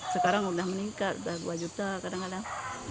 sekarang udah meningkat udah dua juta kadang kadang